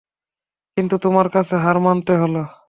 কিন্তু তোমার কাছে হার মানতে হল।